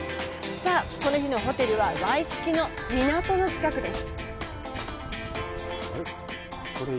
さあ、この日のホテルはワイキキの港の近くです。